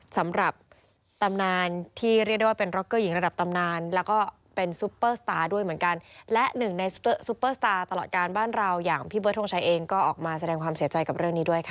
สำหรับตำนานที่เรียกได้ว่าเป็นร็อกเกอร์หญิงระดับตำนานแล้วก็เป็นซุปเปอร์สตาร์ด้วยเหมือนกันและหนึ่งในซุปเปอร์สตาร์ตลอดการบ้านเราอย่างพี่เบิร์ทงชัยเองก็ออกมาแสดงความเสียใจกับเรื่องนี้ด้วยค่ะ